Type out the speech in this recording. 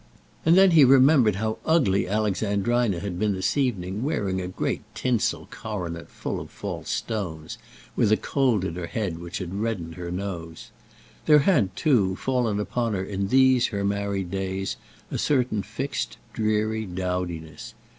And then he remembered how ugly Alexandrina had been this evening, wearing a great tinsel coronet full of false stones, with a cold in her head which had reddened her nose. There had, too, fallen upon her in these her married days a certain fixed dreary dowdiness.